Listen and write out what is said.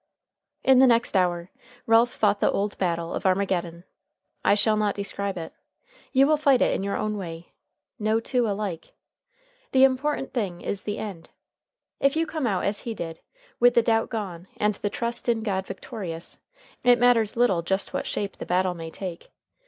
In the next hour Ralph fought the old battle of Armageddon. I shall not describe it. You will fight it in your own way. No two alike. The important thing is the End. If you come out as he did, with the doubt gone and the trust in God victorious, it matters little just what shape the battle may take.